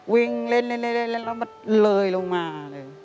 วิ่งเล่นแล้วมันเลยลงมาเลย